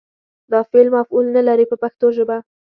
دا فعل مفعول نه لري په پښتو ژبه.